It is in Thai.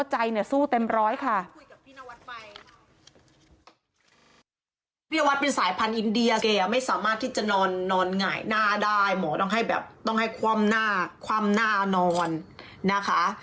หมอต้องให้คว่ำหน้านอนนะคะ